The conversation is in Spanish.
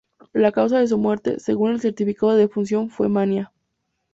La causa de su muerte, según el certificado de defunción, fue mania.